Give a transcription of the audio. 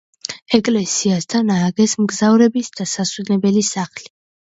ეკლესიასთან ააგეს მგზავრების დასასვენებელი სახლი.